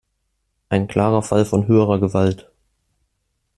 Ein klarer Fall von höherer Gewalt.